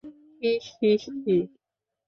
হি হি হি!